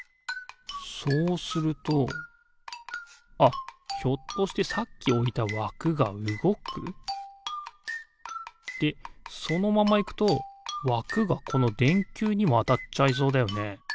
そうするとあっひょっとしてさっきおいたわくがうごく？でそのままいくとわくがこのでんきゅうにもあたっちゃいそうだよね。